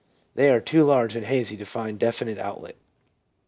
They are too large and hazy to find definite outlet.